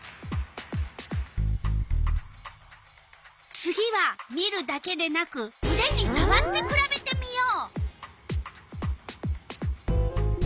次は見るだけでなくうでにさわってくらべてみよう。